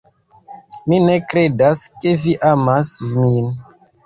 Mi ne kredas ke vi amas min.